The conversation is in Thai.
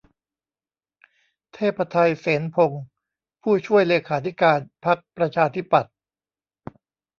เทพไท เสนพงศ์ ผู้ช่วยเลขาธิการพรรคประชาธิปัตย์